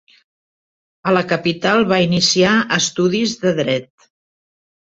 A la capital va iniciar estudis de Dret.